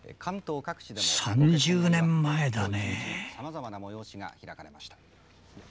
３０年前だね。